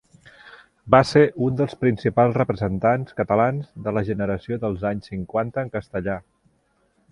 Va ser un dels principals representants catalans de la Generació dels Anys Cinquanta en castellà.